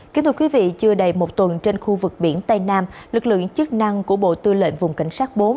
kính thưa quý vị chưa đầy một tuần trên khu vực biển tây nam lực lượng chức năng của bộ tư lệnh vùng cảnh sát bốn